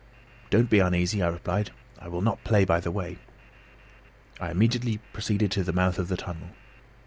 "Don't be uneasy," I replied. "I will not play by the way." I immediately proceeded to the mouth of the tunnel.